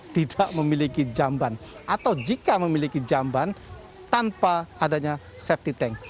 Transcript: tidak memiliki jamban atau jika memiliki jamban tanpa adanya safety tank